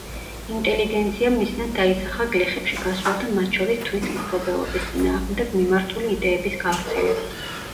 ინტელიგენციამ მიზნად დაისახა გლეხებში გასვლა და მათ შორის თვითმპყრობელობის წინააღმდეგ მიმართული იდეების გავრცელება.